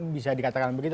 bisa dikatakan begitu